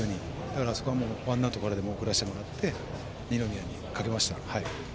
あそこはもうワンアウトからでも送らせて二宮にかけました。